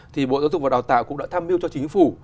thì bộ giáo dục và đào tạo cũng đã tham mưu cho chính phủ